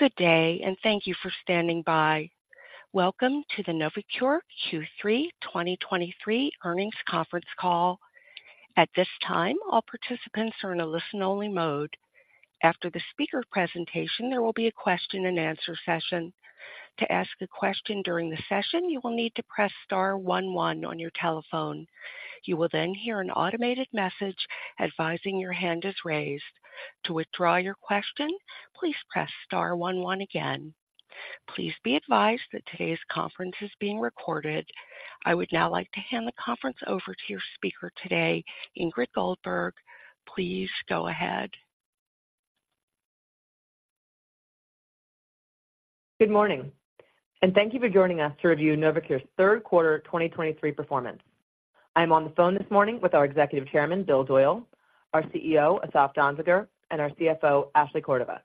Good day, and thank you for standing by. Welcome to the Novocure Q3 2023 earnings conference call. At this time, all participants are in a listen-only mode. After the speaker presentation, there will be a question-and-answer session. To ask a question during the session, you will need to press star one one on your telephone. You will then hear an automated message advising your hand is raised. To withdraw your question, please press star one one again. Please be advised that today's conference is being recorded. I would now like to hand the conference over to your speaker today, Ingrid Goldberg. Please go ahead. Good morning, and thank you for joining us to review Novocure's third quarter 2023 performance. I'm on the phone this morning with our Executive Chairman, Bill Doyle, our CEO, Asaf Danziger, and our CFO, Ashley Cordova.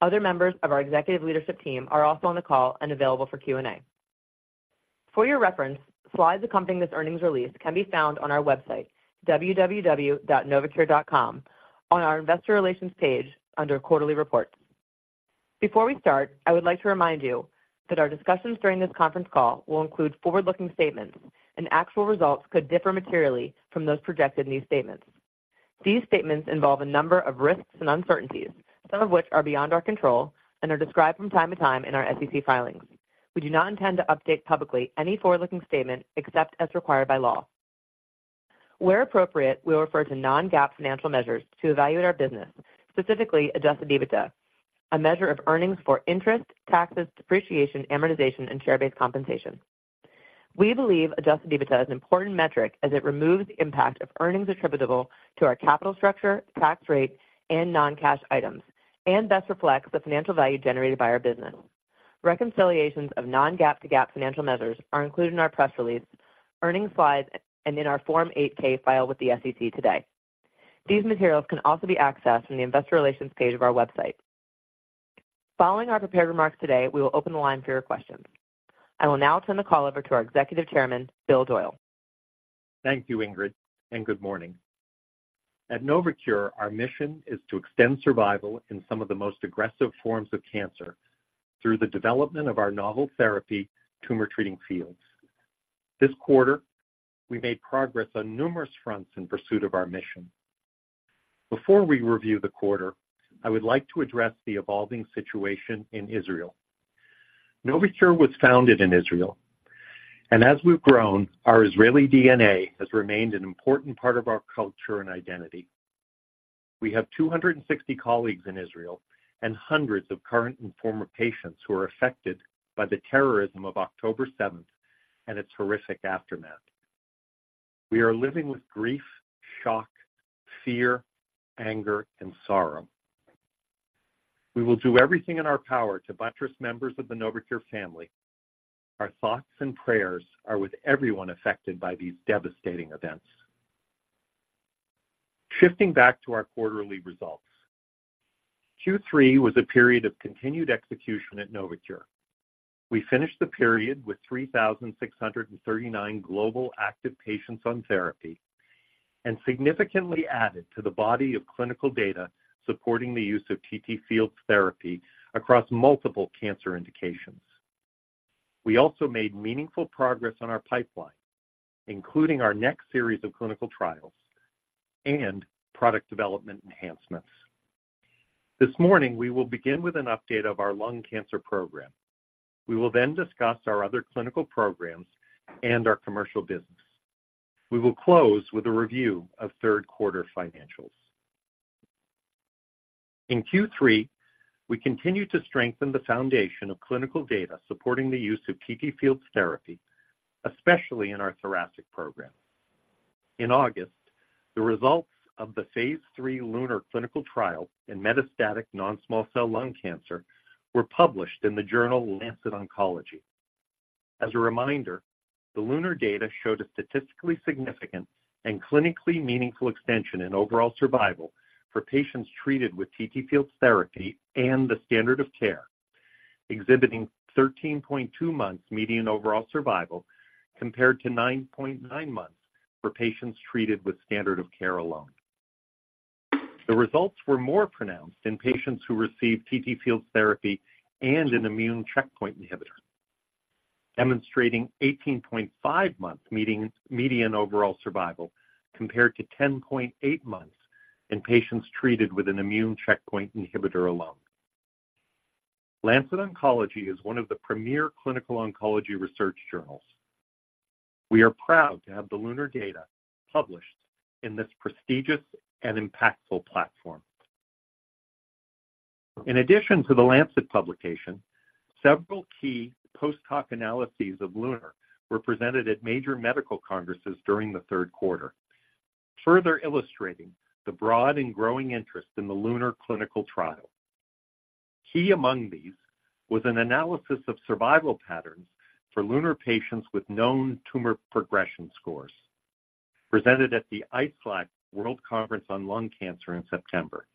Other members of our executive leadership team are also on the call and available for Q&A. For your reference, slides accompanying this earnings release can be found on our website, www.novocure.com, on our Investor Relations page under Quarterly Reports. Before we start, I would like to remind you that our discussions during this conference call will include forward-looking statements, and actual results could differ materially from those projected in these statements. These statements involve a number of risks and uncertainties, some of which are beyond our control and are described from time to time in our SEC filings. We do not intend to update publicly any forward-looking statement except as required by law. Where appropriate, we refer to non-GAAP financial measures to evaluate our business, specifically adjusted EBITDA, a measure of earnings before interest, taxes, depreciation, amortization, and share-based compensation. We believe adjusted EBITDA is an important metric as it removes the impact of earnings attributable to our capital structure, tax rate, and non-cash items, and best reflects the financial value generated by our business. Reconciliations of non-GAAP to GAAP financial measures are included in our press release, earnings slides, and in our Form 8-K filed with the SEC today. These materials can also be accessed from the Investor Relations page of our website. Following our prepared remarks today, we will open the line for your questions. I will now turn the call over to our Executive Chairman, Bill Doyle. Thank you, Ingrid, and good morning. At Novocure, our mission is to extend survival in some of the most aggressive forms of cancer through the development of our novel therapy, Tumor Treating Fields. This quarter, we made progress on numerous fronts in pursuit of our mission. Before we review the quarter, I would like to address the evolving situation in Israel. Novocure was founded in Israel, and as we've grown, our Israeli DNA has remained an important part of our culture and identity. We have 260 colleagues in Israel and hundreds of current and former patients who are affected by the terrorism of October seventh and its horrific aftermath. We are living with grief, shock, fear, anger, and sorrow. We will do everything in our power to buttress members of the Novocure family. Our thoughts and prayers are with everyone affected by these devastating events. Shifting back to our quarterly results. Q3 was a period of continued execution at Novocure. We finished the period with 3,639 global active patients on therapy and significantly added to the body of clinical data supporting the use of TTFields therapy across multiple cancer indications. We also made meaningful progress on our pipeline, including our next series of clinical trials and product development enhancements. This morning, we will begin with an update of our lung cancer program. We will then discuss our other clinical programs and our commercial business. We will close with a review of third quarter financials. In Q3, we continued to strengthen the foundation of clinical data supporting the use of TTFields therapy, especially in our thoracic program. In August, the results of the phase III LUNAR clinical trial in metastatic non-small cell lung cancer were published in the journal Lancet Oncology. As a reminder, the LUNAR data showed a statistically significant and clinically meaningful extension in overall survival for patients treated with TTFields therapy and the standard of care, exhibiting 13.2 months median overall survival, compared to 9.9 months for patients treated with standard of care alone. The results were more pronounced in patients who received TTFields therapy and an immune checkpoint inhibitor, demonstrating 18.5 months median, median overall survival, compared to 10.8 months in patients treated with an immune checkpoint inhibitor alone. Lancet Oncology is one of the premier clinical oncology research journals. We are proud to have the LUNAR data published in this prestigious and impactful platform. In addition to the Lancet publication, several key post-hoc analyses of LUNAR were presented at major medical congresses during the third quarter, further illustrating the broad and growing interest in the LUNAR clinical trial. Key among these was an analysis of survival patterns for LUNAR patients with known tumor proportion scores, presented at the IASLC World Conference on Lung Cancer in September.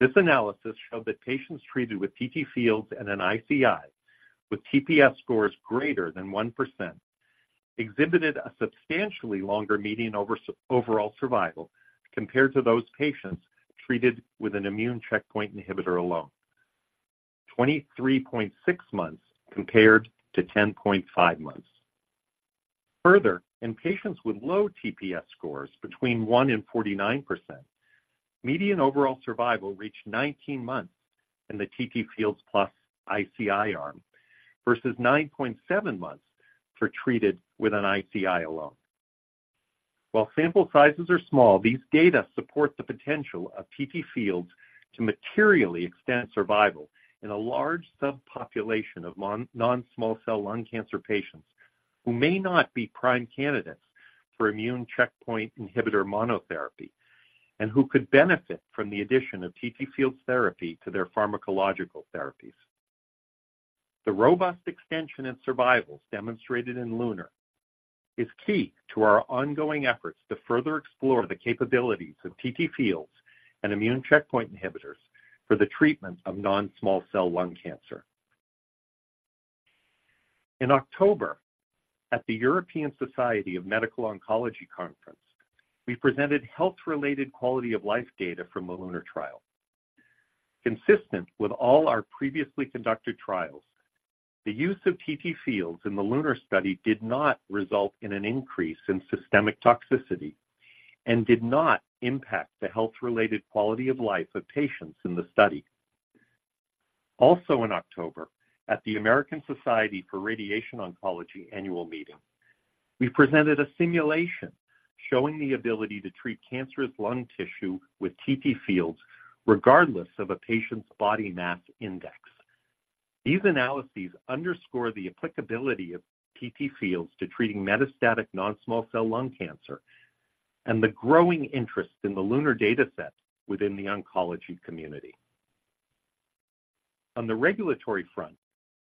This analysis showed that patients treated with TTFields and an ICI, with TPS scores greater than 1% exhibited a substantially longer median overall survival compared to those patients treated with an immune checkpoint inhibitor alone: 23.6 months compared to 10.5 months. Further, in patients with low TPS scores between 1% and 49%, median overall survival reached 19 months in the TTFields plus ICI arm, versus 9.7 months for treated with an ICI alone. While sample sizes are small, these data support the potential of TTFields to materially extend survival in a large subpopulation of non-small cell lung cancer patients who may not be prime candidates for immune checkpoint inhibitor monotherapy, and who could benefit from the addition of TTFields therapy to their pharmacological therapies. The robust extension in survival demonstrated in LUNAR is key to our ongoing efforts to further explore the capabilities of TTFields and immune checkpoint inhibitors for the treatment of non-small cell lung cancer. In October, at the European Society for Medical Oncology Conference, we presented health-related quality of life data from the LUNAR trial. Consistent with all our previously conducted trials, the use of TTFields in the LUNAR study did not result in an increase in systemic toxicity and did not impact the health-related quality of life of patients in the study. Also in October, at the American Society for Radiation Oncology Annual Meeting, we presented a simulation showing the ability to treat cancerous lung tissue with TTFields, regardless of a patient's body mass index. These analyses underscore the applicability of TTFields to treating metastatic non-small cell lung cancer and the growing interest in the LUNAR dataset within the oncology community. On the regulatory front,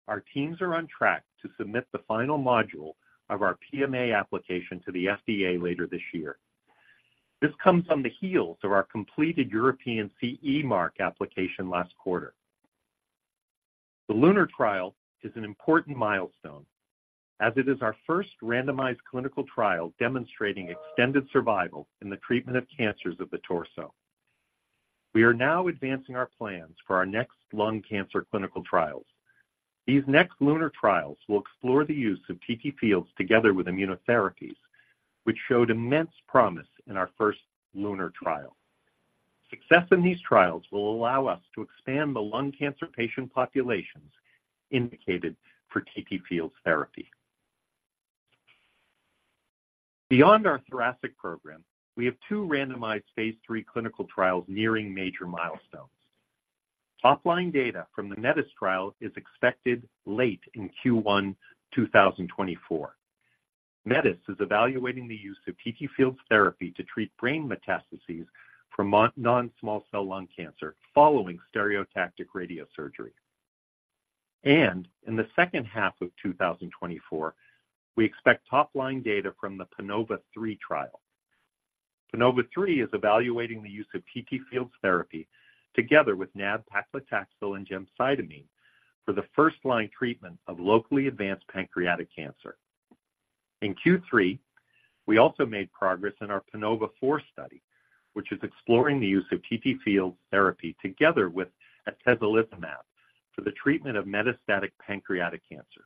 our teams are on track to submit the final module of our PMA application to the FDA later this year. This comes on the heels of our completed European CE Mark application last quarter. The LUNAR trial is an important milestone as it is our first randomized clinical trial demonstrating extended survival in the treatment of cancers of the torso. We are now advancing our plans for our next lung cancer clinical trials. These next LUNAR trials will explore the use of TTFields together with immunotherapies, which showed immense promise in our first LUNAR trial. Success in these trials will allow us to expand the lung cancer patient populations indicated for TTFields therapy. Beyond our thoracic program, we have two randomized phase III clinical trials nearing major milestones. Top-line data from the METIS trial is expected late in Q1 2024. METIS is evaluating the use of TTFields therapy to treat brain metastases from non-small cell lung cancer following stereotactic radiosurgery. In the second half of 2024, we expect top-line data from the PANOVA-3 trial. PANOVA-3 is evaluating the use of TTFields therapy together with nab-paclitaxel and gemcitabine for the first-line treatment of locally advanced pancreatic cancer. In Q3, we also made progress in our PANOVA-4 study, which is exploring the use of TTFields therapy together with atezolizumab for the treatment of metastatic pancreatic cancer.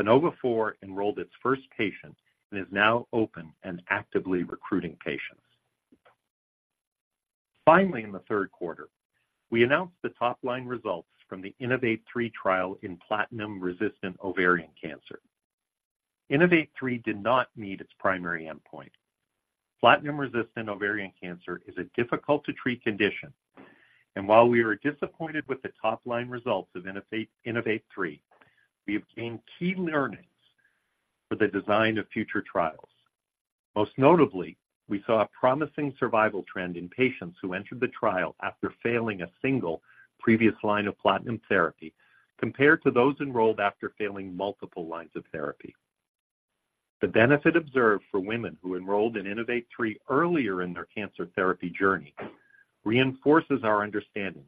PANOVA-4 enrolled its first patient and is now open and actively recruiting patients. Finally, in the third quarter, we announced the top-line results from the INNOVATE-3 trial in platinum-resistant ovarian cancer. INNOVATE-3 did not meet its primary endpoint. Platinum-resistant ovarian cancer is a difficult-to-treat condition, and while we are disappointed with the top-line results of INNOVATE-3, we have gained key learnings for the design of future trials. Most notably, we saw a promising survival trend in patients who entered the trial after failing a single previous line of platinum therapy, compared to those enrolled after failing multiple lines of therapy. The benefit observed for women who enrolled in INNOVATE-3 earlier in their cancer therapy journey reinforces our understanding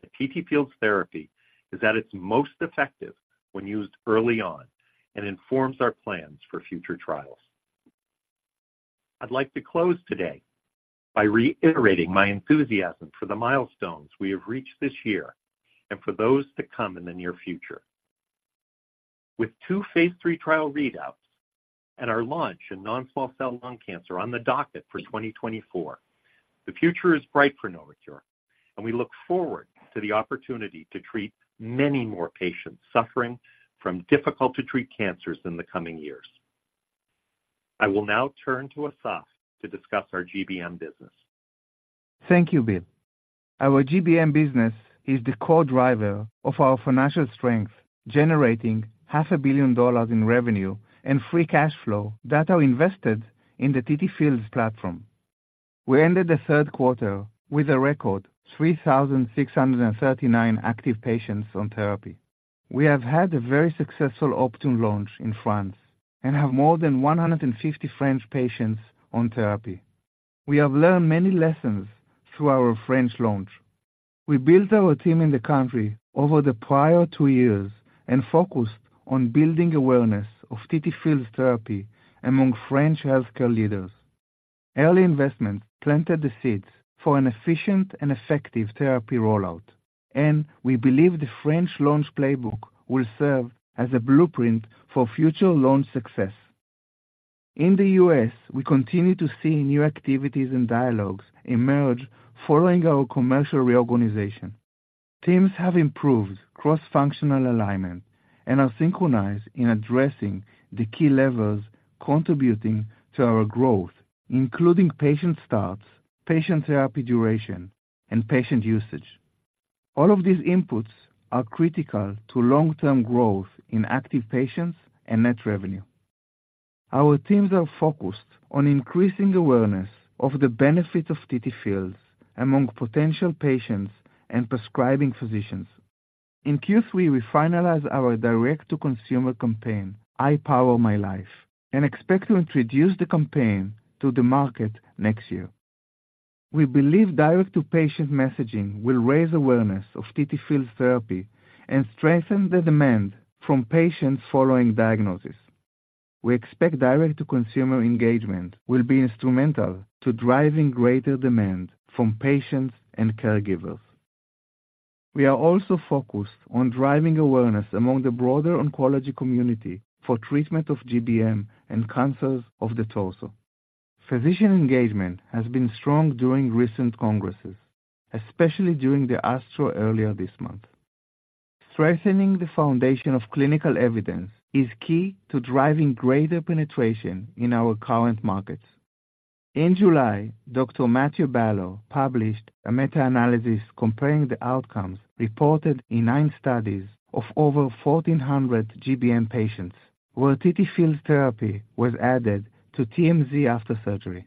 that TTFields therapy is at its most effective when used early on and informs our plans for future trials. I'd like to close today by reiterating my enthusiasm for the milestones we have reached this year and for those to come in the near future. With two phase III trial readouts and our launch in non-small cell lung cancer on the docket for 2024, the future is bright for Novocure, and we look forward to the opportunity to treat many more patients suffering from difficult-to-treat cancers in the coming years. I will now turn to Asaf to discuss our GBM business. Thank you, Bill. Our GBM business is the core driver of our financial strength, generating $500 million in revenue and free cash flow that are invested in the TTFields platform. We ended the third quarter with a record 3,639 active patients on therapy. We have had a very successful Optune launch in France and have more than 150 French patients on therapy. We have learned many lessons through our French launch. We built our team in the country over the prior two years and focused on building awareness of TTFields therapy among French healthcare leaders. Early investments planted the seeds for an efficient and effective therapy rollout, and we believe the French launch playbook will serve as a blueprint for future launch success. In the U.S., we continue to see new activities and dialogues emerge following our commercial reorganization. Teams have improved cross-functional alignment and are synchronized in addressing the key levers contributing to our growth, including patient starts, patient therapy duration, and patient usage. All of these inputs are critical to long-term growth in active patients and net revenue. Our teams are focused on increasing awareness of the benefits of TTFields among potential patients and prescribing physicians. In Q3, we finalized our direct-to-consumer campaign, I Power My Life, and expect to introduce the campaign to the market next year. We believe direct-to-patient messaging will raise awareness of TTFields therapy and strengthen the demand from patients following diagnosis. We expect direct-to-consumer engagement will be instrumental to driving greater demand from patients and caregivers. We are also focused on driving awareness among the broader oncology community for treatment of GBM and cancers of the torso. Physician engagement has been strong during recent congresses, especially during the ASTRO earlier this month. Strengthening the foundation of clinical evidence is key to driving greater penetration in our current markets. In July, Dr. Matthew Ballo published a meta-analysis comparing the outcomes reported in nine studies of over 1,400 GBM patients, where TTFields therapy was added to TMZ after surgery.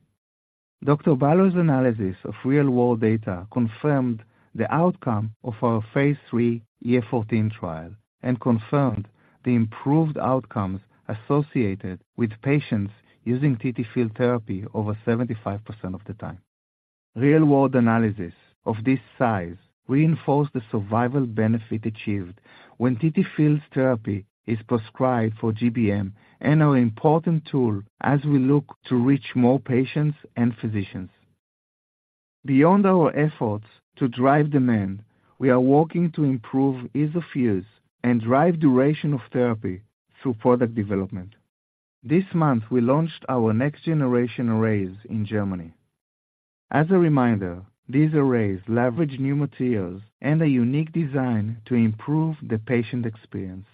Dr. Ballo's analysis of real-world data confirmed the outcome of our phase III EF-14 trial and confirmed the improved outcomes associated with patients using TTFields therapy over 75% of the time. Real-world analysis of this size reinforce the survival benefit achieved when TTFields therapy is prescribed for GBM and are an important tool as we look to reach more patients and physicians. Beyond our efforts to drive demand, we are working to improve ease of use and drive duration of therapy through product development. This month, we launched our next-generation arrays in Germany. As a reminder, these arrays leverage new materials and a unique design to improve the patient experience.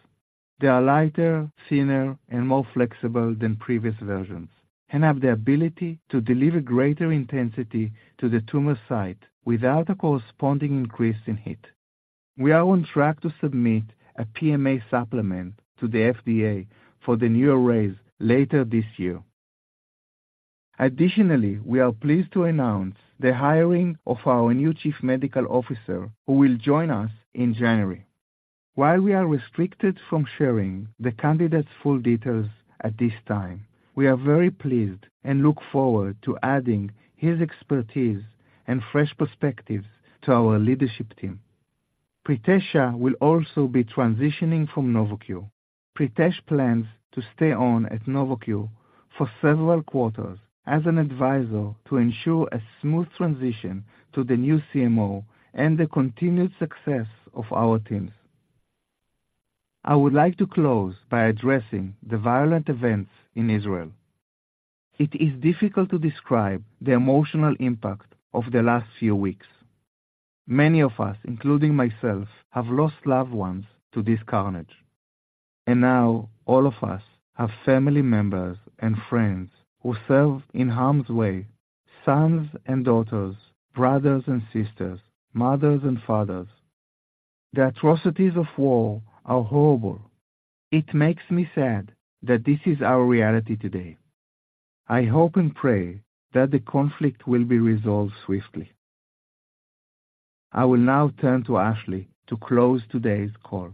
They are lighter, thinner, and more flexible than previous versions and have the ability to deliver greater intensity to the tumor site without a corresponding increase in heat. We are on track to submit a PMA supplement to the FDA for the new arrays later this year. Additionally, we are pleased to announce the hiring of our new Chief Medical Officer, who will join us in January. While we are restricted from sharing the candidate's full details at this time, we are very pleased and look forward to adding his expertise and fresh perspectives to our leadership team. Pritesh Shah will also be transitioning from Novocure. Pritesh plans to stay on at Novocure for several quarters as an advisor to ensure a smooth transition to the new CMO and the continued success of our teams. I would like to close by addressing the violent events in Israel. It is difficult to describe the emotional impact of the last few weeks. Many of us, including myself, have lost loved ones to this carnage, and now all of us have family members and friends who serve in harm's way, sons and daughters, brothers and sisters, mothers and fathers. The atrocities of war are horrible. It makes me sad that this is our reality today. I hope and pray that the conflict will be resolved swiftly. I will now turn to Ashley to close today's call.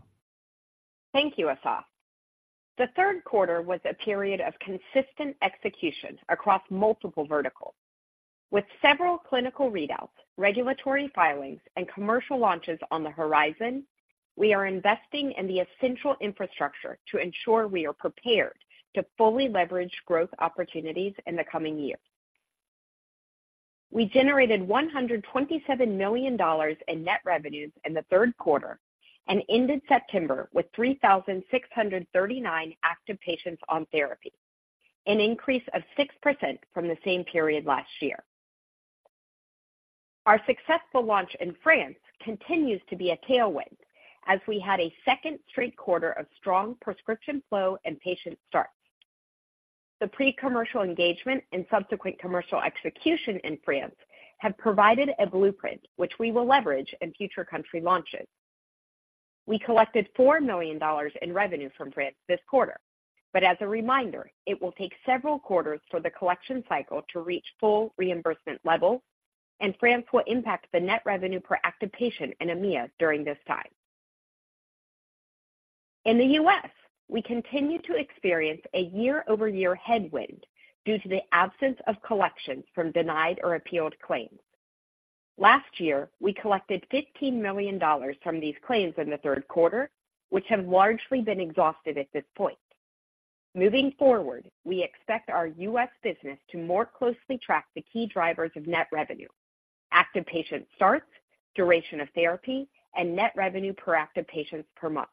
Thank you, Asaf. The third quarter was a period of consistent execution across multiple verticals. With several clinical readouts, regulatory filings, and commercial launches on the horizon, we are investing in the essential infrastructure to ensure we are prepared to fully leverage growth opportunities in the coming years. We generated $127 million in net revenues in the third quarter and ended September with 3,639 active patients on therapy, an increase of 6% from the same period last year. Our successful launch in France continues to be a tailwind as we had a second straight quarter of strong prescription flow and patient starts. The pre-commercial engagement and subsequent commercial execution in France have provided a blueprint, which we will leverage in future country launches. We collected $4 million in revenue from France this quarter. As a reminder, it will take several quarters for the collection cycle to reach full reimbursement levels, and France will impact the net revenue per active patient in EMEA during this time. In the U.S., we continue to experience a year-over-year headwind due to the absence of collections from denied or appealed claims. Last year, we collected $15 million from these claims in the third quarter, which have largely been exhausted at this point. Moving forward, we expect our U.S. business to more closely track the key drivers of net revenue, active patient starts, duration of therapy, and net revenue per active patients per month.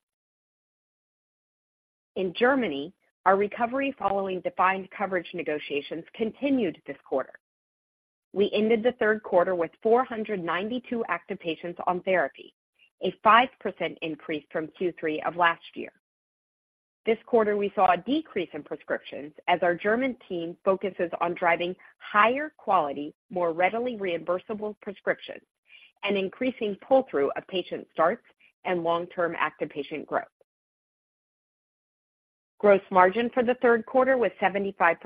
In Germany, our recovery following defined coverage negotiations continued this quarter. We ended the third quarter with 492 active patients on therapy, a 5% increase from Q3 of last year. This quarter, we saw a decrease in prescriptions as our German team focuses on driving higher quality, more readily reimbursable prescriptions and increasing pull-through of patient starts and long-term active patient growth. Gross margin for the third quarter was 75%.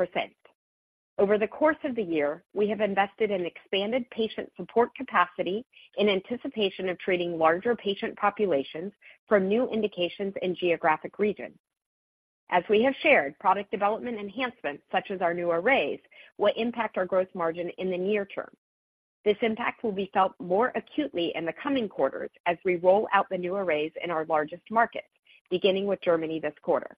Over the course of the year, we have invested in expanded patient support capacity in anticipation of treating larger patient populations from new indications and geographic regions. As we have shared, product development enhancements, such as our new arrays, will impact our gross margin in the near term. This impact will be felt more acutely in the coming quarters as we roll out the new arrays in our largest markets, beginning with Germany this quarter.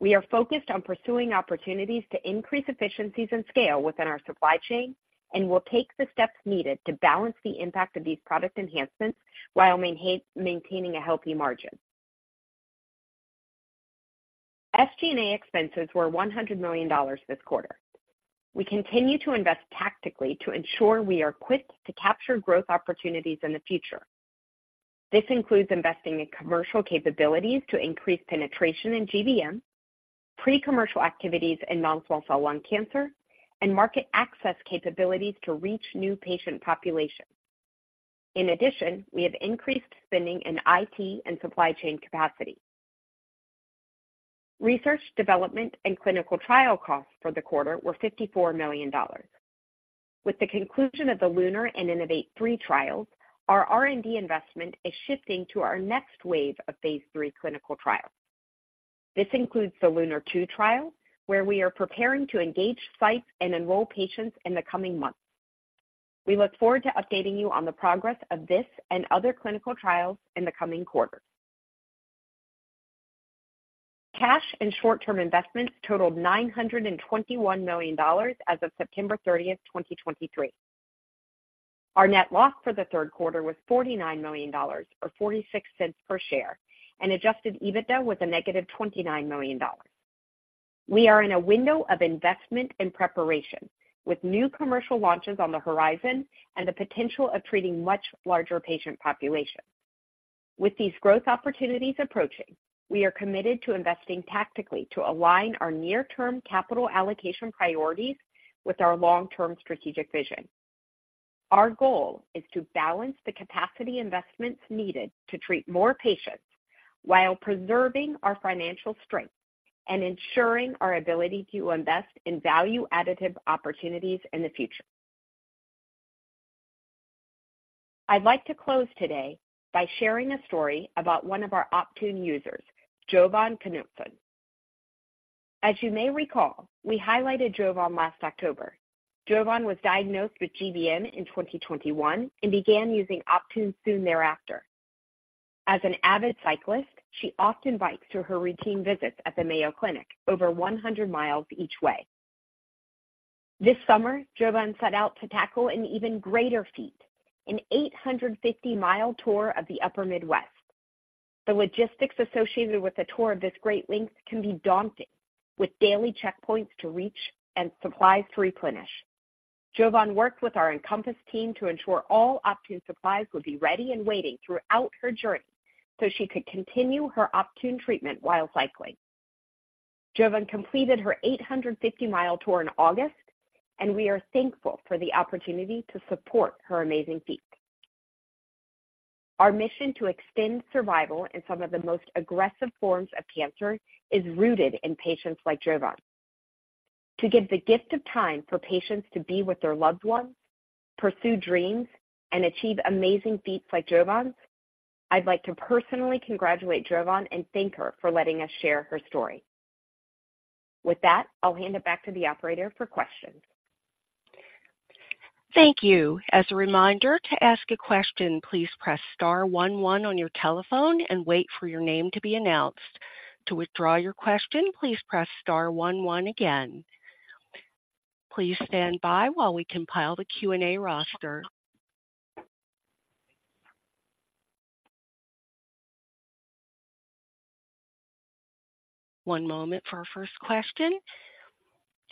We are focused on pursuing opportunities to increase efficiencies and scale within our supply chain and will take the steps needed to balance the impact of these product enhancements while maintaining a healthy margin. SG&A expenses were $100 million this quarter. We continue to invest tactically to ensure we are quick to capture growth opportunities in the future. This includes investing in commercial capabilities to increase penetration in GBM, pre-commercial activities in non-small cell lung cancer, and market access capabilities to reach new patient populations. In addition, we have increased spending in IT and supply chain capacity. Research, development, and clinical trial costs for the quarter were $54 million. With the conclusion of the LUNAR and INNOVATE-3 trials, our R&D investment is shifting to our next wave of phase III clinical trials. This includes the LUNAR-2 trial, where we are preparing to engage sites and enroll patients in the coming months. We look forward to updating you on the progress of this and other clinical trials in the coming quarters. Cash and short-term investments totaled $921 million as of September 30th, 2023. Our net loss for the third quarter was $49 million, or $0.46 per share, and adjusted EBITDA was -$29 million. We are in a window of investment and preparation, with new commercial launches on the horizon and the potential of treating much larger patient populations. With these growth opportunities approaching, we are committed to investing tactically to align our near-term capital allocation priorities with our long-term strategic vision. Our goal is to balance the capacity investments needed to treat more patients while preserving our financial strength and ensuring our ability to invest in value-additive opportunities in the future. I'd like to close today by sharing a story about one of our Optune users, Jovan Knutson. As you may recall, we highlighted Jovan last October. Jovan was diagnosed with GBM in 2021 and began using Optune soon thereafter. As an avid cyclist, she often bikes to her routine visits at the Mayo Clinic over 100 mi each way. This summer, Jovan set out to tackle an even greater feat, an 850-mile tour of the Upper Midwest. The logistics associated with a tour of this great length can be daunting, with daily checkpoints to reach and supplies to replenish. Jovan worked with our nCompass team to ensure all Optune supplies would be ready and waiting throughout her journey so she could continue her Optune treatment while cycling. Jovan completed her 850-mile tour in August, and we are thankful for the opportunity to support her amazing feat. Our mission to extend survival in some of the most aggressive forms of cancer is rooted in patients like Jovan. To give the gift of time for patients to be with their loved ones, pursue dreams, and achieve amazing feats like Jovan, I'd like to personally congratulate Jovan and thank her for letting us share her story. With that, I'll hand it back to the operator for questions. Thank you. As a reminder, to ask a question, please press star one one on your telephone and wait for your name to be announced. To withdraw your question, please press star one one again. Please stand by while we compile the Q&A roster. One moment for our first question.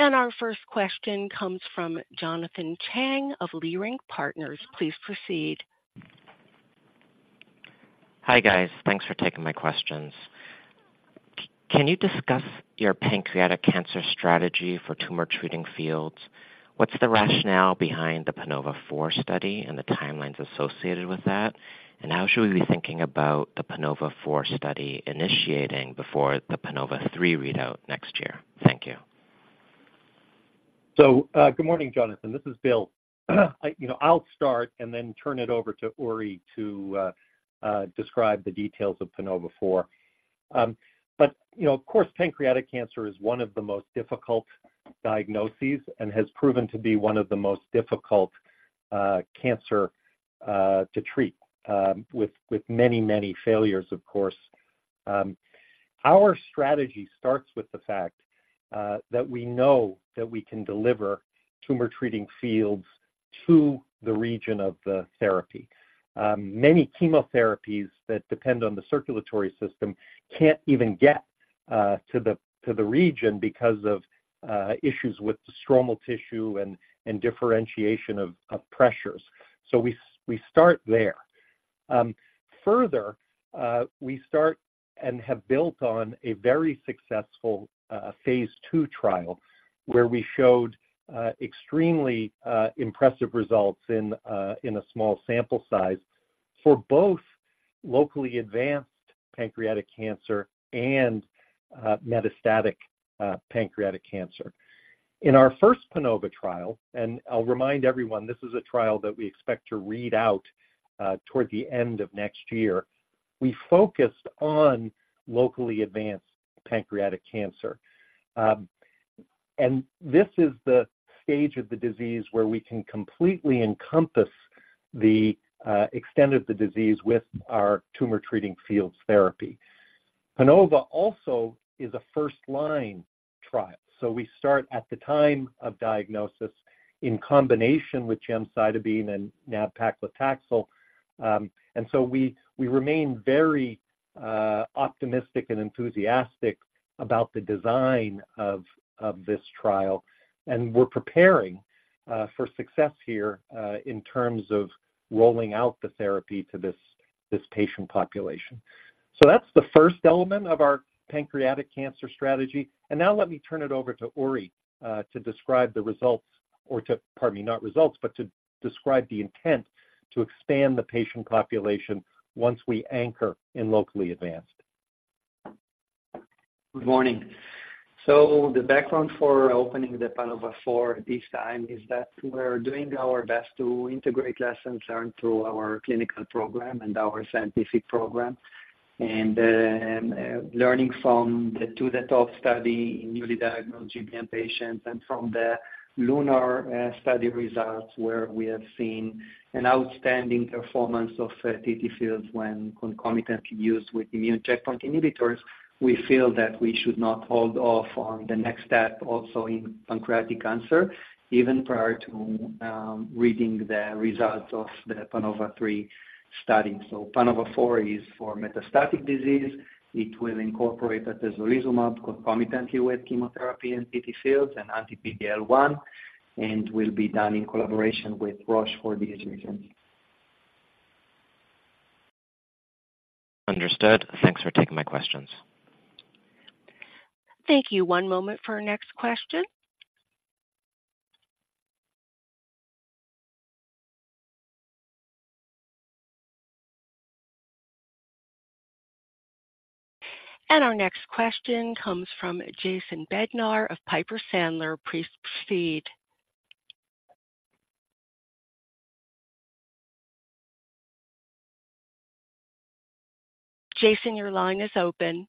Our first question comes from Jonathan Chang of Leerink Partners. Please proceed. Hi, guys. Thanks for taking my questions. Can you discuss your pancreatic cancer strategy for Tumor Treating Fields? What's the rationale behind the PANOVA-4 study and the timelines associated with that? And how should we be thinking about the PANOVA-4 study initiating before the PANOVA-3 readout next year? Thank you. So, good morning, Jonathan. This is Bill. I, you know, I'll start and then turn it over to Uri to describe the details of PANOVA-4. But, you know, of course, pancreatic cancer is one of the most difficult diagnoses and has proven to be one of the most difficult cancer to treat, with, with many, many failures, of course. Our strategy starts with the fact that we know that we can deliver Tumor Treating Fields to the region of the therapy. Many chemotherapies that depend on the circulatory system can't even get to the, to the region because of issues with the stromal tissue and, and differentiation of, of pressures. So we start there. Further, we start and have built on a very successful phase II trial, where we showed extremely impressive results in a small sample size for both locally advanced pancreatic cancer and metastatic pancreatic cancer. In our first PANOVA trial, and I'll remind everyone, this is a trial that we expect to read out toward the end of next year, we focused on locally advanced pancreatic cancer. And this is the stage of the disease where we can completely encompass the extent of the disease with our Tumor Treating Fields therapy. PANOVA also is a first-line trial, so we start at the time of diagnosis in combination with gemcitabine and nab-paclitaxel. And so we, we remain very optimistic and enthusiastic about the design of, of this trial, and we're preparing for success here in terms of rolling out the therapy to this, this patient population. So that's the first element of our pancreatic cancer strategy. And now let me turn it over to Uri to describe the results or to, pardon me, not results, but to describe the intent to expand the patient population once we anchor in locally advanced. Good morning. The background for opening the PANOVA-4 this time is that we're doing our best to integrate lessons learned through our clinical program and our scientific program, and learning from the 2-THE-TOP study in newly diagnosed GBM patients and from the LUNAR study results, where we have seen an outstanding performance of TTFields when concomitantly used with immune checkpoint inhibitors. We feel that we should not hold off on the next step, also in pancreatic cancer, even prior to reading the results of the PANOVA-3 study. PANOVA-4 is for metastatic disease. It will incorporate atezolizumab concomitantly with chemotherapy and TTFields and anti-PD-L1, and will be done in collaboration with Roche for the agent. Understood. Thanks for taking my questions. Thank you. One moment for our next question. Our next question comes from Jason Bednar of Piper Sandler. Jason, your line is open.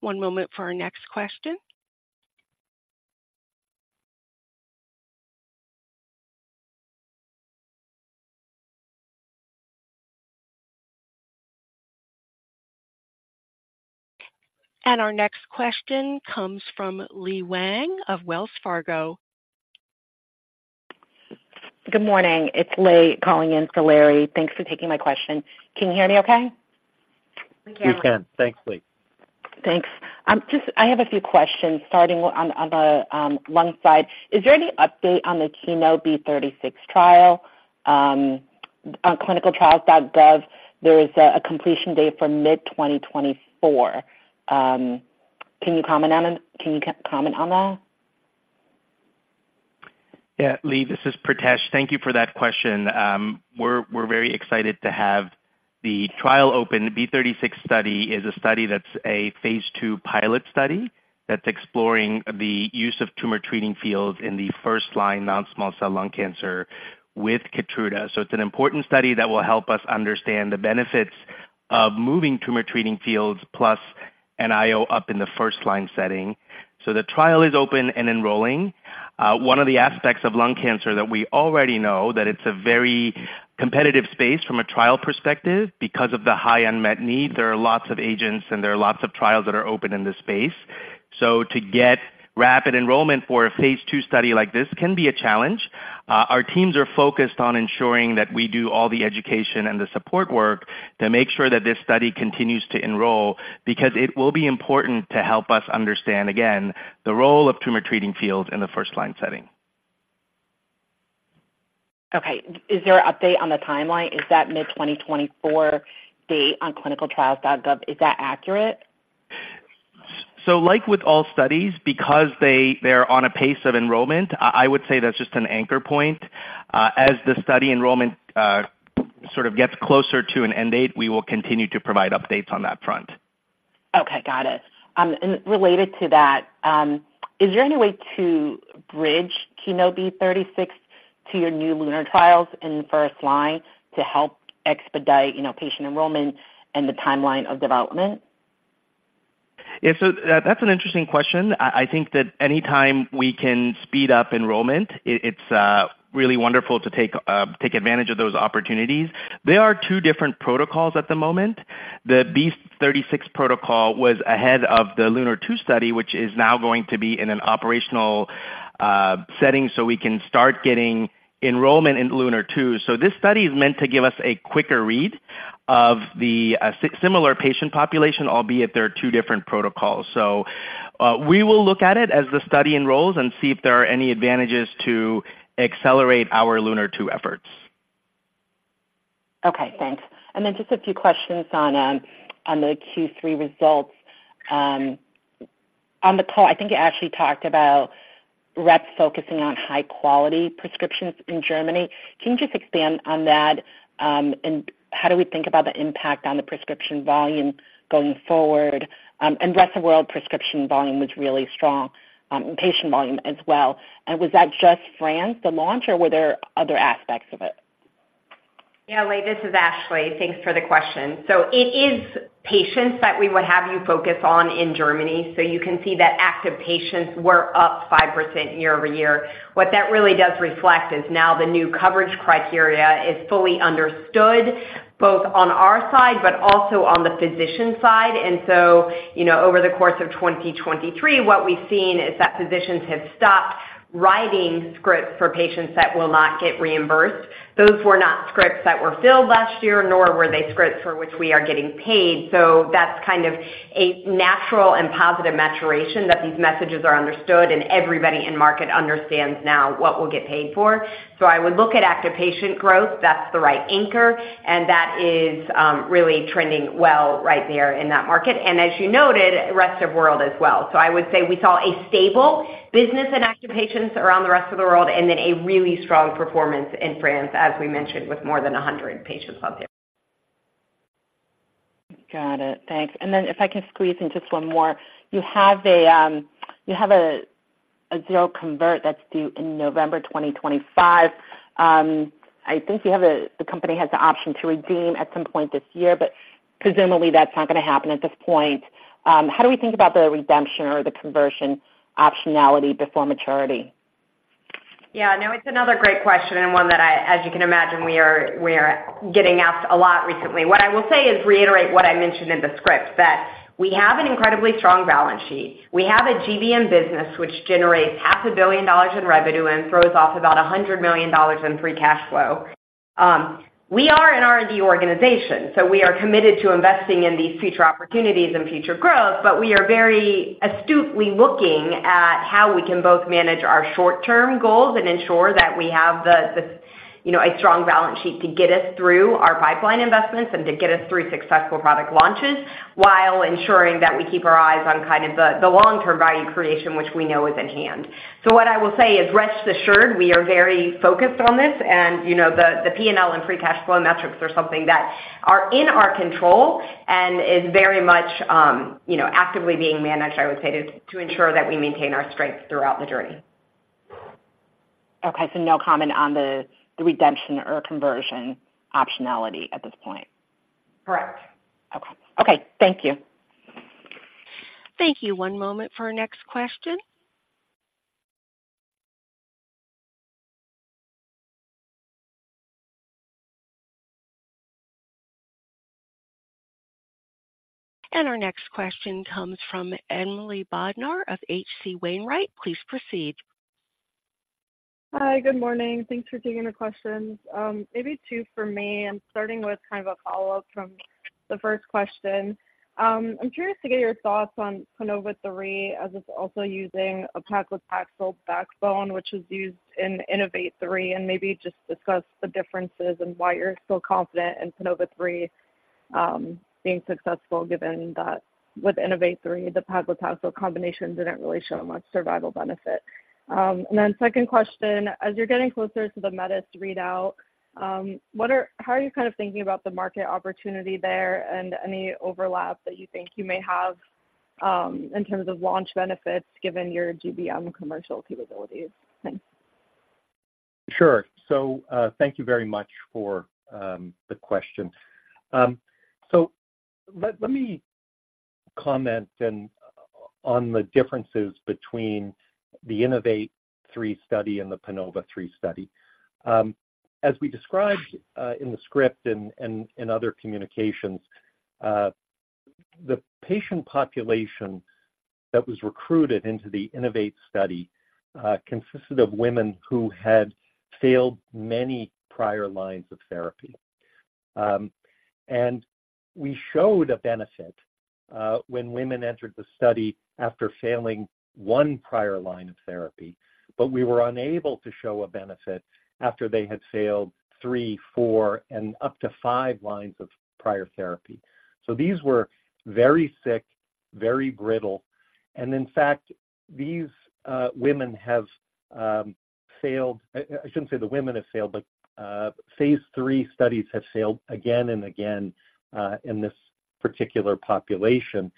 One moment for our next question. Our next question comes from Lei Huang of Wells Fargo. Good morning. It's Lei calling in for Larry. Thanks for taking my question. Can you hear me okay? We can. We can. Thanks, Lei. Thanks. Just, I have a few questions starting on the lung side. Is there any update on the KEYNOTE-B36 trial? On clinicaltrials.gov, there is a completion date for mid-2024. Can you comment on that? Yeah, Lei, this is Pritesh. Thank you for that question. We're, we're very excited to have the trial open. B36 study is a study that's a phase II pilot study, that's exploring the use of Tumor Treating Fields in the first-line non-small cell lung cancer with KEYTRUDA. So it's an important study that will help us understand the benefits of moving Tumor Treating Fields plus an IO up in the first-line setting. So the trial is open and enrolling. One of the aspects of lung cancer that we already know, that it's a very competitive space from a trial perspective because of the high unmet need. There are lots of agents, and there are lots of trials that are open in this space. So to get rapid enrollment for a phase II study like this can be a challenge. Our teams are focused on ensuring that we do all the education and the support work to make sure that this study continues to enroll, because it will be important to help us understand, again, the role of Tumor Treating Fields in the first line setting. Okay. Is there an update on the timeline? Is that mid-2024 date on ClinicalTrials.gov, is that accurate? So like with all studies, because they, they are on a pace of enrollment, I, I would say that's just an anchor point. As the study enrollment sort of gets closer to an end date, we will continue to provide updates on that front. Okay, got it. And related to that, is there any way to bridge KEYNOTE-B36 to your new LUNAR trials in the first line to help expedite, you know, patient enrollment and the timeline of development? Yeah, so, that's an interesting question. I think that anytime we can speed up enrollment, it's really wonderful to take advantage of those opportunities. They are two different protocols at the moment. The B36 protocol was ahead of the LUNAR-2 study, which is now going to be in an operational setting, so we can start getting enrollment in LUNAR-2. So this study is meant to give us a quicker read of the similar patient population, albeit they are two different protocols. So, we will look at it as the study enrolls and see if there are any advantages to accelerate our LUNAR-2 efforts. Okay, thanks. And then just a few questions on the Q3 results. On the call, I think you actually talked about reps focusing on high-quality prescriptions in Germany. Can you just expand on that? And how do we think about the impact on the prescription volume going forward? And rest of world prescription volume was really strong, and patient volume as well. And was that just France, the launch, or were there other aspects of it? Yeah, Lei, this is Ashley. Thanks for the question. So it is patients that we would have you focus on in Germany. So you can see that active patients were up 5% year-over-year. What that really does reflect is now the new coverage criteria is fully understood, both on our side, but also on the physician side. And so, you know, over the course of 2023, what we've seen is that physicians have stopped writing scripts for patients that will not get reimbursed. Those were not scripts that were filled last year, nor were they scripts for which we are getting paid. So that's kind of a natural and positive maturation that these messages are understood and everybody in market understands now what we'll get paid for. I would look at active patient growth, that's the right anchor, and that is, really trending well right there in that market, and as you noted, rest of world as well. I would say we saw a stable business in active patients around the rest of the world, and then a really strong performance in France, as we mentioned, with more than 100 patients on there. Got it. Thanks. And then if I can squeeze in just one more. You have a zero convert that's due in November 2025. I think the company has the option to redeem at some point this year, but presumably that's not gonna happen at this point. How do we think about the redemption or the conversion optionality before maturity? Yeah. No, it's another great question and one that I, as you can imagine, we are getting asked a lot recently. What I will say is reiterate what I mentioned in the script, that we have an incredibly strong balance sheet. We have a GBM business, which generates $500 million in revenue and throws off about $100 million in free cash flow. We are an R&D organization, so we are committed to investing in these future opportunities and future growth, but we are very astutely looking at how we can both manage our short-term goals and ensure that we have the, you know, a strong balance sheet to get us through our pipeline investments and to get us through successful product launches, while ensuring that we keep our eyes on kind of the long-term value creation, which we know is at hand. So what I will say is, rest assured, we are very focused on this and, you know, the P&L and free cash flow metrics are something that are in our control and is very much, you know, actively being managed, I would say, to ensure that we maintain our strengths throughout the journey. Okay, so no comment on the redemption or conversion optionality at this point? Correct. Okay. Okay, thank you. Thank you. One moment for our next question. Our next question comes from Emily Bodnar of H.C. Wainwright. Please proceed. Hi, good morning. Thanks for taking the questions. Maybe two for me. I'm starting with kind of a follow-up from the first question. I'm curious to get your thoughts on PANOVA-3, as it's also using a paclitaxel backbone, which is used in INNOVATE-3, and maybe just discuss the differences and why you're so confident in PANOVA-3 being successful, given that with INNOVATE-3, the paclitaxel combination didn't really show much survival benefit. And then second question, as you're getting closer to the METIS readout, how are you kind of thinking about the market opportunity there and any overlap that you think you may have, in terms of launch benefits, given your GBM commercial capabilities? Thanks. Sure. So, thank you very much for the question. So let me comment then on the differences between the INNOVATE-3 study and the PANOVA-3 study. As we described in the script and other communications, the patient population that was recruited into the INNOVATE-3 study consisted of women who had failed many prior lines of therapy. And we showed a benefit when women entered the study after failing one prior line of therapy, but we were unable to show a benefit after they had failed three, four, and up to five lines of prior therapy. So these were very sick, very brittle. And in fact, these women have failed. I shouldn't say the women have failed, but phase III studies have failed again and again in this particular population.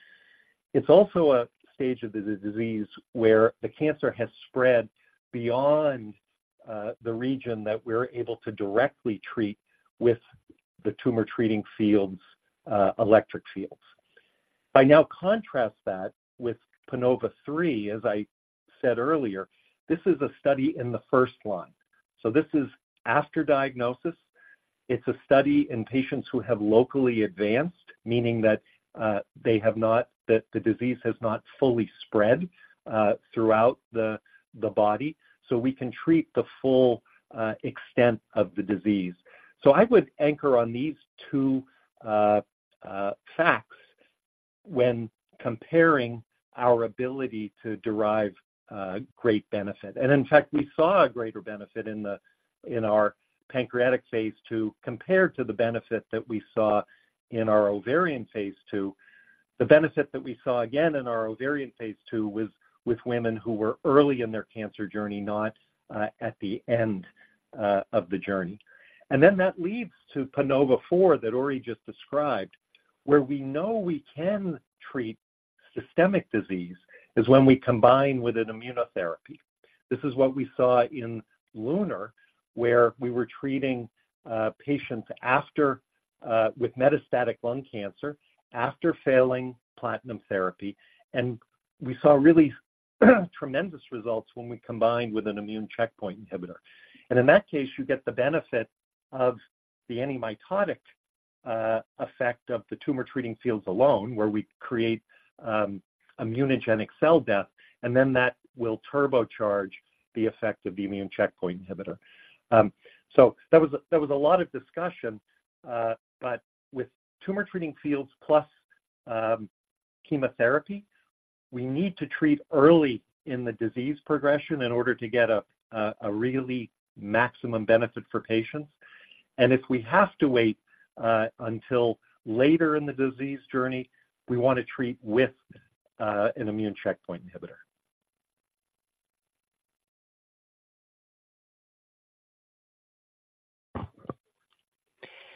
It's also a stage of the disease where the cancer has spread beyond the region that we're able to directly treat with the Tumor Treating Fields electric fields. I now contrast that with PANOVA-3, as I said earlier, this is a study in the first-line. So this is after diagnosis. It's a study in patients who have locally advanced, meaning that they have not, that the disease has not fully spread throughout the body, so we can treat the full extent of the disease. So I would anchor on these two facts when comparing our ability to derive great benefit. And in fact, we saw a greater benefit in our pancreatic phase II, compared to the benefit that we saw in our ovarian phase II. The benefit that we saw again in our ovarian phase II was with women who were early in their cancer journey, not at the end of the journey. And then that leads to PANOVA-4 that Uri just described, where we know we can treat systemic disease, is when we combine with an immunotherapy. This is what we saw in LUNAR, where we were treating patients after with metastatic lung cancer, after failing platinum therapy, and we saw really tremendous results when we combined with an immune checkpoint inhibitor. And in that case, you get the benefit of the antimitotic effect of the Tumor Treating Fields alone, where we create immunogenic cell death, and then that will turbocharge the effect of the immune checkpoint inhibitor. So that was a lot of discussion, but with Tumor Treating Fields plus chemotherapy, we need to treat early in the disease progression in order to get a really maximum benefit for patients. And if we have to wait until later in the disease journey, we want to treat with an immune checkpoint inhibitor.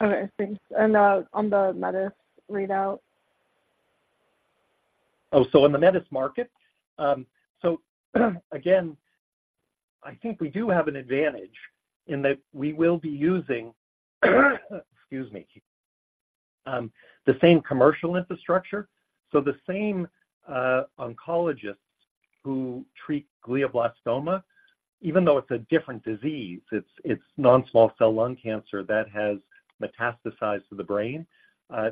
Okay, thanks. And on the METIS readout? Oh, so in the METIS market? So, again, I think we do have an advantage in that we will be using, excuse me, the same commercial infrastructure. So the same oncologists who treat glioblastoma, even though it's a different disease, it's non-small cell lung cancer that has metastasized to the brain.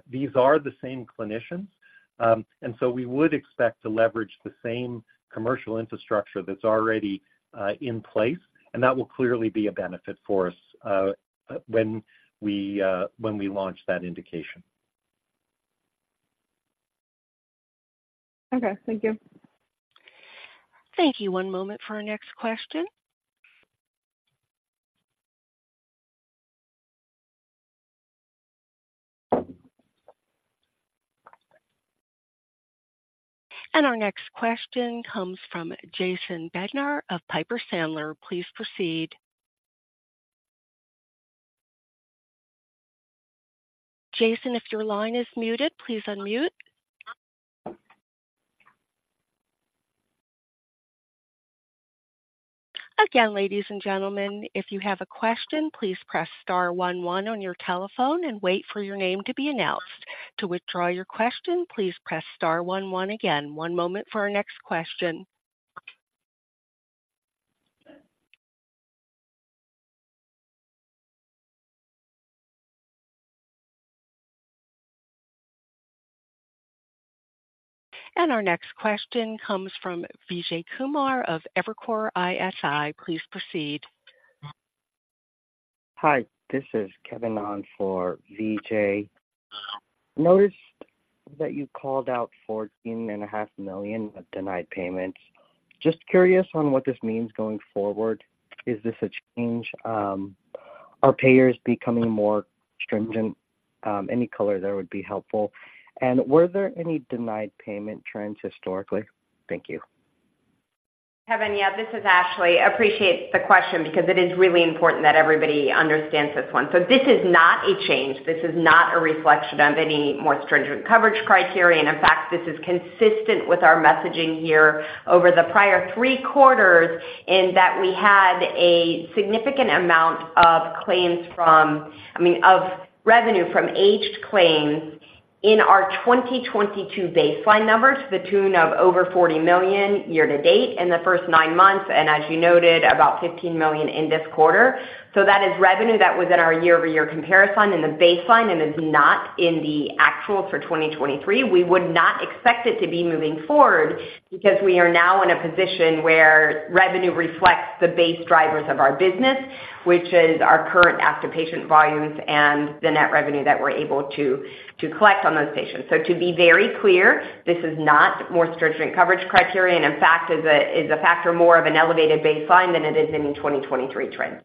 These are the same clinicians, and so we would expect to leverage the same commercial infrastructure that's already in place, and that will clearly be a benefit for us when we launch that indication. Okay, thank you. Thank you. One moment for our next question. Our next question comes from Jason Bednar of Piper Sandler. Please proceed. Jason, if your line is muted, please unmute. Again, ladies and gentlemen, if you have a question, please press star one, one on your telephone and wait for your name to be announced. To withdraw your question, please press star one, one again. One moment for our next question. Our next question comes from Vijay Kumar of Evercore ISI. Please proceed. Hi, this is Kevin on for Vijay. Noticed that you called out $14.5 million of denied payments. Just curious on what this means going forward. Is this a change? Are payers becoming more stringent? Any color there would be helpful. And were there any denied payment trends historically? Thank you. Kevin, yeah, this is Ashley. I appreciate the question because it is really important that everybody understands this one. So this is not a change. This is not a reflection of any more stringent coverage criterion. In fact, this is consistent with our messaging here over the prior three quarters, in that we had a significant amount of claims from, I mean, of revenue from aged claims in our 2022 baseline numbers, to the tune of over $40 million year to date in the first nine months, and as you noted, about $15 million in this quarter. So that is revenue that was in our year-over-year comparison in the baseline and is not in the actual for 2023. We would not expect it to be moving forward because we are now in a position where revenue reflects the base drivers of our business, which is our current active patient volumes and the net revenue that we're able to collect on those patients. So to be very clear, this is not more stringent coverage criterion. In fact, is a factor more of an elevated baseline than it is any 2023 trend.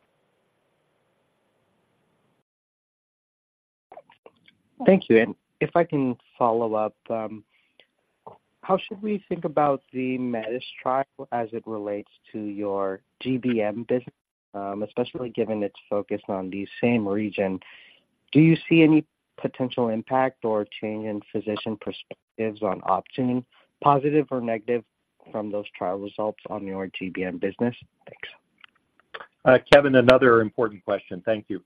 Thank you. And if I can follow up, how should we think about the METIS trial as it relates to your GBM business, especially given its focus on the same region? Do you see any potential impact or change in physician perspectives on Optune, positive or negative, from those trial results on your GBM business? Thanks. Kevin, another important question. Thank you.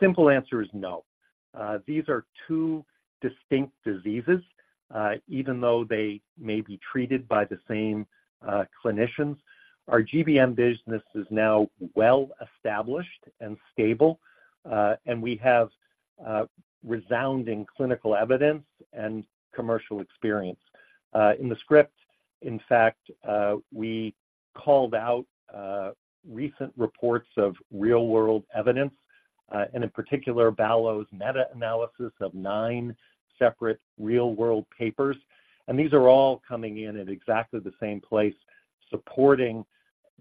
Simple answer is no. These are two distinct diseases, even though they may be treated by the same clinicians. Our GBM business is now well established and stable, and we have resounding clinical evidence and commercial experience. In the script, in fact, we called out recent reports of real-world evidence, and in particular, Ballo's meta-analysis of nine separate real-world papers. These are all coming in at exactly the same place, supporting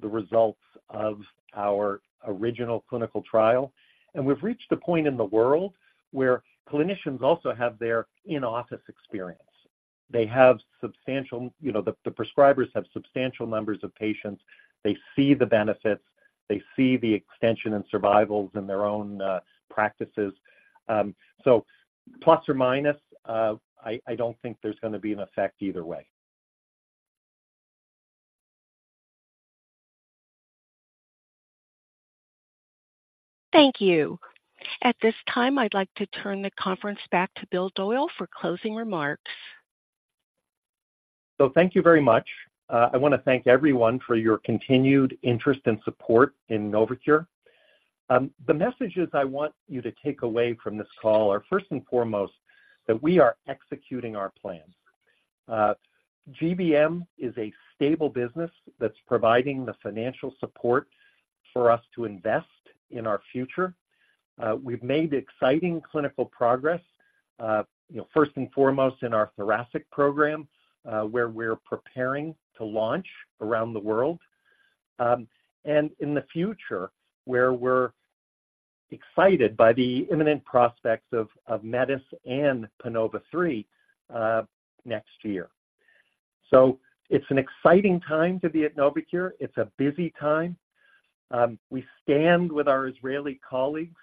the results of our original clinical trial. We've reached a point in the world where clinicians also have their in-office experience. They have substantial, you know, the prescribers have substantial numbers of patients. They see the benefits, they see the extension and survivals in their own practices. Plus or minus, I don't think there's gonna be an effect either way. Thank you. At this time, I'd like to turn the conference back to Bill Doyle for closing remarks. So thank you very much. I wanna thank everyone for your continued interest and support in Novocure. The messages I want you to take away from this call are, first and foremost, that we are executing our plan. GBM is a stable business that's providing the financial support for us to invest in our future. We've made exciting clinical progress, you know, first and foremost in our thoracic program, where we're preparing to launch around the world, and in the future, where we're excited by the imminent prospects of METIS and PANOVA-3 next year. So it's an exciting time to be at Novocure. It's a busy time. We stand with our Israeli colleagues,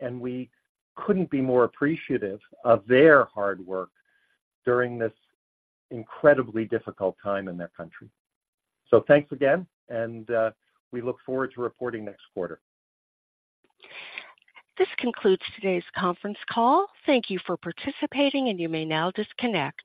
and we couldn't be more appreciative of their hard work during this incredibly difficult time in their country. So thanks again, and we look forward to reporting next quarter. This concludes today's conference call. Thank you for participating, and you may now disconnect.